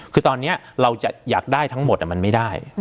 คือตอนนี้เราจะอยากได้ทั้งหมดมันไม่ได้